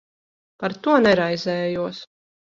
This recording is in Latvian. Par to neraizējos.